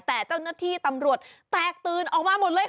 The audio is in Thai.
แต่เจ้าหน้าที่ตำรวจแตกตื่นออกมาหมดเลย